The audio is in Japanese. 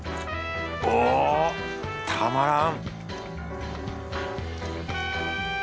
おぉたまらん